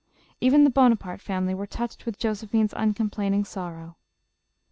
Even the Bonaparte family were touched with Josephine's uncomplaining sorrow.